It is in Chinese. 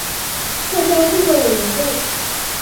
撤销数个委员会。